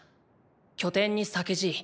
拠点に酒爺。